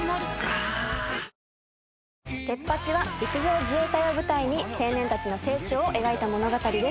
あー『テッパチ！』は陸上自衛隊を舞台に青年たちの成長を描いた物語です。